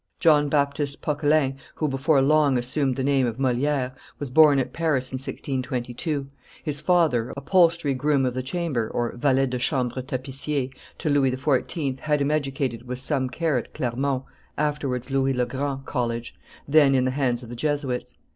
John Baptist Poquelin, who before long assumed the name of Moliere, was born at Paris in 1622; his father, upholstery groom of the chamber (valet de chambre tapissier) to Louis XIV., had him educated with some care at Clermont (afterwards Louis le Grand) College, then in the hands of the Jesuits.